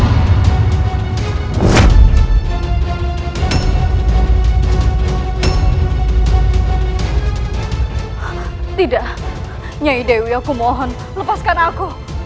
oh tidak nyai dewi aku mohon lepaskan aku